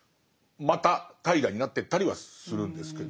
また怠惰になってったりはするんですけど。